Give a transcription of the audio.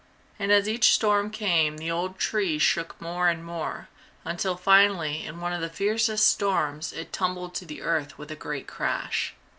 And as each storm came the old tree shook more and more, until finally in one of the fiercest storms it tumbled to the earth with a great crash.